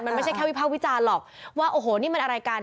มันไม่ใช่แค่วิภาควิจารณ์หรอกว่าโอ้โหนี่มันอะไรกัน